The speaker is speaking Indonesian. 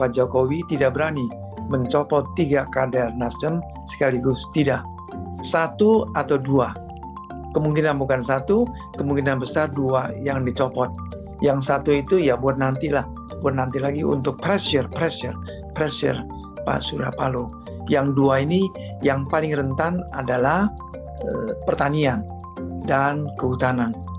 yang dua ini yang paling rentan adalah pertanian dan kehutanan